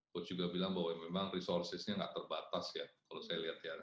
coach juga bilang bahwa memang resourcesnya nggak terbatas ya kalau saya lihat ya